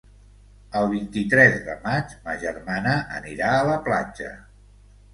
El vint-i-tres de maig ma germana anirà a la platja.